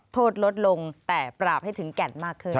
โทษลดลงแต่ปราบให้ถึงแก่นมากขึ้น